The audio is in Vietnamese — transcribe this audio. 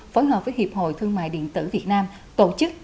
phối hợp với hiệp hội thương mại điện tử việt nam tổ chức